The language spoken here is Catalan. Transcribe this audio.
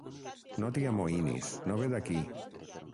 No t'hi amoïnis, no ve d'aquí.